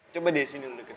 coba deh sini dulu deketan